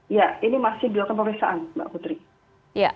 iya ini masih dilakukan perpisaan mbak putri